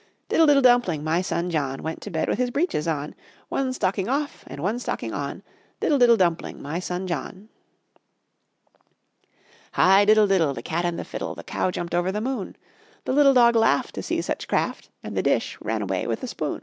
Diddle, diddle, dumpling, my son John, Went to bed with his breeches on, One stocking off, and one stocking on, Diddle, diddle, dumpling, my son John. High diddle diddle, The cat and the fiddle, The cow jumped over the moon; The little dog laughed To see such craft, And the dish ran away with the spoon.